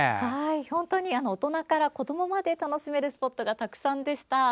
本当に大人から子どもまで楽しめるスポットがたくさんでした。